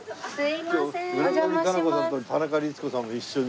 今日村上佳菜子さんと田中律子さんも一緒に。